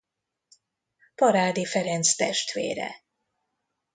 Parádi Ferenc testvére.